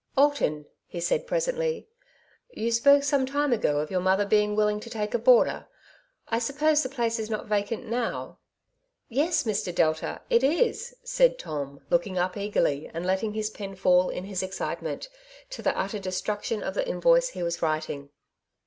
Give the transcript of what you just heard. '* Alton," he presently said, ^^ you spoke some time ago of your mother being willing to take a boarder. I suppose the place is not vacant now ?''*' Yes, Mr. Delta, it is,*' said Tom, looking up eagerly, and letting his pen fall in his excitement, to the utter destruction of the invoice he was writing.